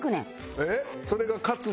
えっ？